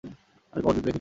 আমি কবর দিতে দেখেছি।